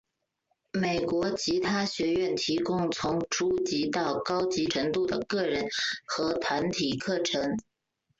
美国吉他学院提供从初级到高级程度的个人和团体课程。